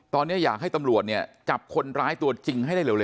ตอนนี้อยากให้ตำรวจเนี่ยจับคนร้ายตัวจริงให้ได้เร็